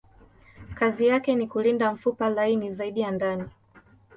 Kazi yake ni kulinda mfupa laini zaidi ya ndani.